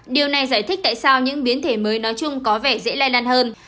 điều này giải thích tại sao những biến thể mới nói chung có vẻ dễ lây lan hơn